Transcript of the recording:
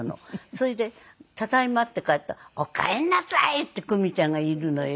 それで「ただいま」って帰ったら「おかえりなさい」ってクミちゃんがいるのよ